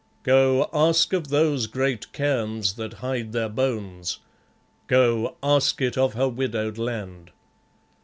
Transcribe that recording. Go, ask of those great cairns that hide their bones. Go, ask it of her widowed land.